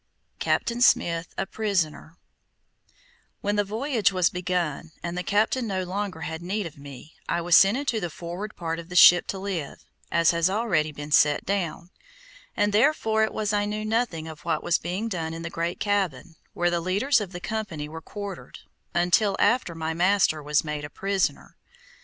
CAPTAIN SMITH A PRISONER When the voyage was begun, and the captain no longer had need of me, I was sent into the forward part of the ship to live, as has already been set down, and therefore it was I knew nothing of what was being done in the great cabin, where the leaders of the company were quartered, until after my master was made a prisoner.